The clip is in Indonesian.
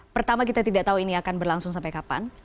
pertama kita tidak tahu ini akan berlangsung sampai kapan